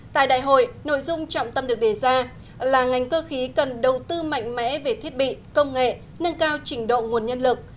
tại đại hội nội dung trọng tâm được đề ra là ngành cơ khí cần đầu tư mạnh mẽ về thiết bị công nghệ nâng cao trình độ nguồn nhân lực